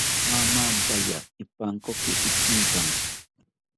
Amampaya ipankoki Itzinkami